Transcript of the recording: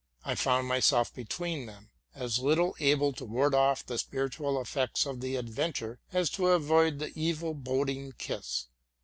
I found myself between them, as little able to ward off the spiritual effeets of the adventure as to avoid the evil boding kiss.